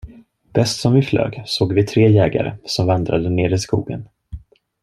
Bäst som vi flög, såg vi tre jägare, som vandrade nere i skogen.